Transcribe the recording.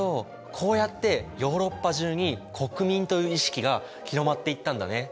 こうやってヨーロッパ中に国民という意識が広まっていったんだね。